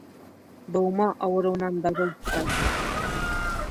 Быума ауырыуынан дарыу, Кай.